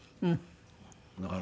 だから。